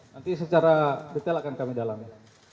nanti secara detail akan kami dalami